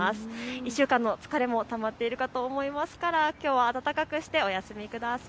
１週間の疲れもたまっているかと思いますから、きょうは暖かくしてお休みください。